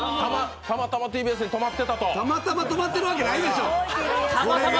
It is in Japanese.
たまたま止まってるわけないでしょう。